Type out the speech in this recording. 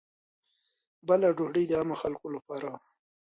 بله ډوډۍ د عامو خلکو لپاره وه.